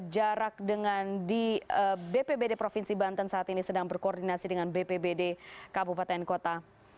jarak dengan di bpbd provinsi banten saat ini sedang berkoordinasi dengan bpbd kabupaten kota